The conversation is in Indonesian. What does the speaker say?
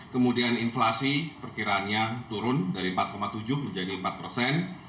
kemudian inflasi perkiraannya turun dari empat tujuh menjadi empat persen